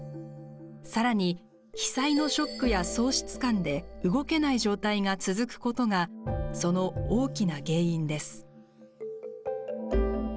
さらに被災のショックや喪失感で動けない状態が続くことがその大きな原因です。